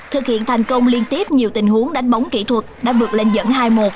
thực hiện thành công liên tiếp nhiều tình huống đánh bóng kỹ thuật đã vượt lên dẫn hai một